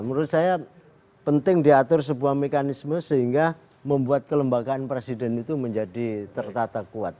menurut saya penting diatur sebuah mekanisme sehingga membuat kelembagaan presiden itu menjadi tertata kuat